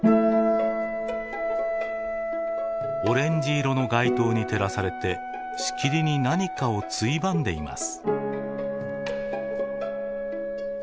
オレンジ色の街灯に照らされてしきりに何かをついばんでいます。